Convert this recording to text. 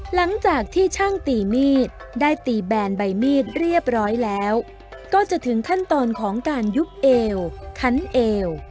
หลังจากที่ช่างตีมีดได้ตีแบนใบมีดเรียบร้อยแล้วก็จะถึงขั้นตอนของการยุบเอวคันเอว